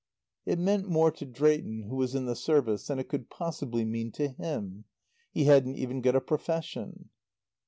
It meant more to Drayton, who was in the Service, than it could possibly mean to him. He hadn't even got a profession.